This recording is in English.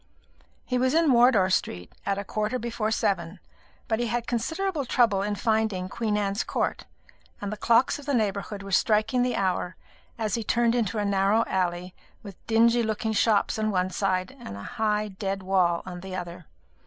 He was in Wardour Street at a quarter before seven, but he had considerable trouble in finding Queen Anne's Court, and the clocks of the neighbourhood were striking the hour as he turned into a narrow alley with dingy looking shops on one side and a high dead wall on the other.